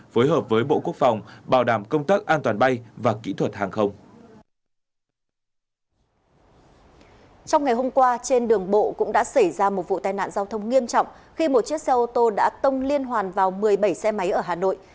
trong ngày hôm qua trên đường bộ cũng đã xảy ra một vụ tai nạn giao thông nghiêm trọng khi một chiếc xe ô tô đã tông liên hoàn vào một mươi bảy xe máy ở hà nội